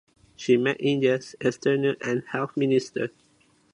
She met India's External and Health ministers.